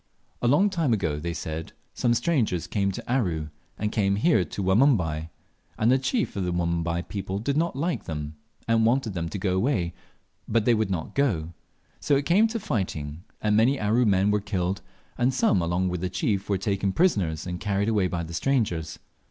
A long time ago, they said, some strangers came to Aru, and came here to Wanumbai, and the chief of the Wanumbai people did not like them, and wanted them to go away, but they would not go, and so it came to fighting, and many Aru men were killed, and some, along with the chief, were taken prisoners, and carried away by the strangers.